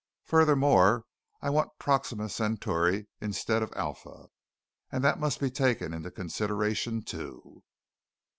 Furthermore, I want Proxima Centauri instead of Alpha, and that must be taken into consideration too.